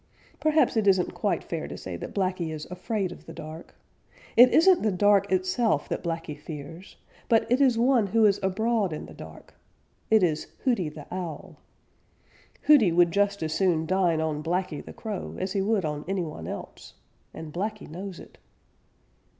Perhaps it isn't quite fair to say that Blacky is afraid of the dark. It isn't the dark itself that Blacky fears, but it is one who is abroad in the dark. It is Hooty the Owl. Hooty would just as soon dine on Blacky the Crow as he would on any one else, and Blacky knows it.